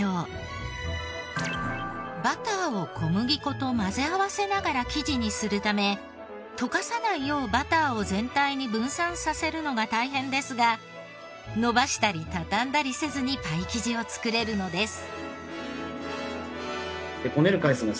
バターを小麦粉と混ぜ合わせながら生地にするため溶かさないようバターを全体に分散させるのが大変ですが伸ばしたり畳んだりせずにパイ生地を作れるのです。